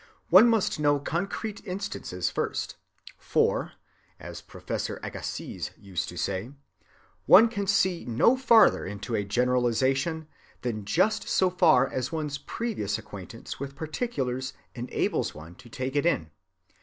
One must know concrete instances first; for, as Professor Agassiz used to say, one can see no farther into a generalization than just so far as one's previous acquaintance with particulars enables one to take it in.